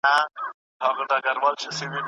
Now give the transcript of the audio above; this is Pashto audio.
لکه د ډنډ پټي په توتو کې د چتکو چڼا